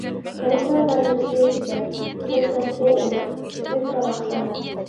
كەنتنىڭ مەنزىرىسى گۈزەل، تۆت پەسلى ئېنىق، بۈك-باراقسان.